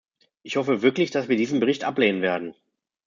Ich hoffe wirklich, dass wir diesen Bericht ablehnen werden.